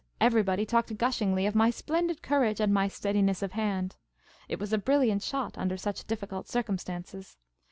Everybody talked gushingly of my splendid courage and my steadiness of hand. It was a brilliant shot, under such difficult circumstances.